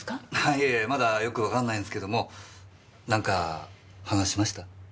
いやいやまだよくわからないんですけども何か話しました？